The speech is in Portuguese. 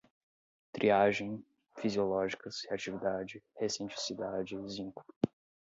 triagem, fisiológicas, reatividade, recenticidade, zinco